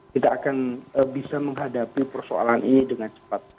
kita akan bisa menghadapi persoalan ini dengan cepat